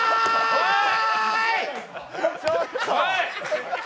おい！